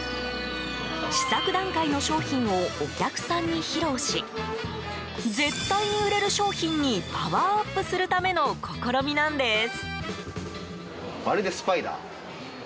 試作段階の商品をお客さんに披露し絶対に売れる商品にパワーアップするための試みなんです。